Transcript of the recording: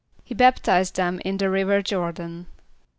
=He baptized them in the river Jôr´dan.